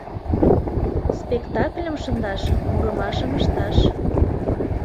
«Спектакльым шындаш, мурымашым ышташ.